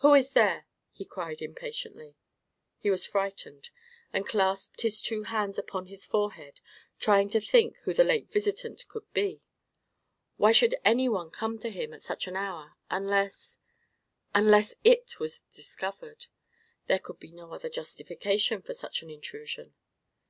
"Who is there?" he cried, impatiently. He was frightened, and clasped his two hands upon, his forehead, trying to think who the late visitant could be. Why should any one come to him at such an hour, unless—unless it was discovered? There could be no other justification for such an intrusion.